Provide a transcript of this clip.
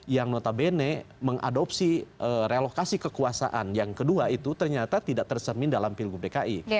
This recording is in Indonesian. yang notabene mengadopsi relokasi kekuasaan yang kedua itu ternyata tidak tercermin dalam pilgub dki